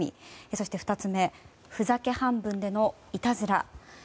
そして、２つ目ふざけ半分でのいたずら。